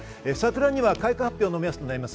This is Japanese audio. サクラには開花発表の目安となります